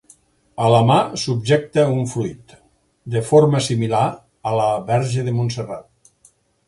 A la mà subjecta un fruit, de forma similar a la Verge de Montserrat.